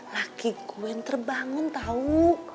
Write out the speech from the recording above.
lagi gue yang terbangun tau